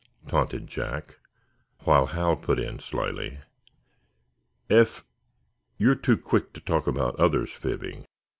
taunted Jack. While Hal put in, slyly: "Eph, you're too quick to talk about others fibbing.